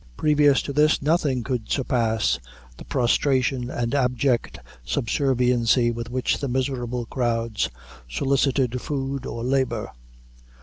Previous to this, nothing could surpass the prostration and abject subserviency with which the miserable crowds solicited food or labor.